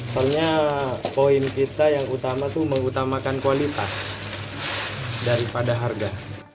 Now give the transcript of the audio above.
soalnya poin kita yang utama itu mengutamakan kualitas daripada harga